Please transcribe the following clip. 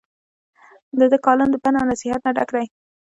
د دۀ کالم د پند او نصيحت نه ډک دے ۔